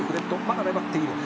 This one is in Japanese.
まだ粘っている」